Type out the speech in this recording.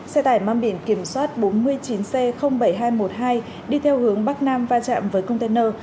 xe tải mang biển kiểm soát bốn mươi chín c bảy nghìn hai trăm một mươi hai đi theo hướng bắc nam va chạm với container